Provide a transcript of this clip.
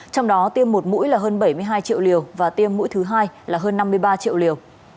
trong đó tiêm một mũi là hơn bảy mươi hai triệu liều và tiêm mũi thứ hai là hơn năm mươi ba triệu liều